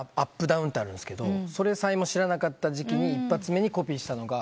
ダウンってあるんですけどそれさえも知らなかった時期に一発目にコピーしたのが。